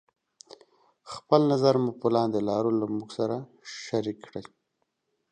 خپل نظر مو پر لاندې لارو له موږ سره شريکې کړئ: